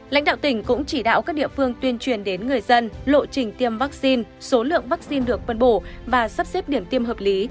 lãnh đạo tỉnh cũng chỉ đạo các địa phương tuyên truyền đến người dân lộ trình tiêm vaccine số lượng vaccine được phân bổ và sắp xếp điểm tiêm hợp lý